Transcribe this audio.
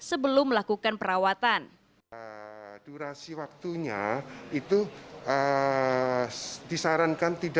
sebelum melakukan perawatan